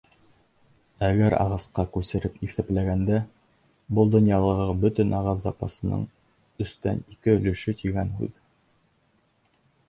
Әгәр ағасҡа күсереп иҫәпләгәндә, был донъялағы бөтөн ағас запасының өстән ике өлөшө тигән һүҙ.